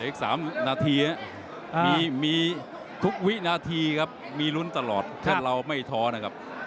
อีก๓นาทีมีทุกวินาทีครับมีลุ้นตลอดถ้าเราไม่ท้อนะครับ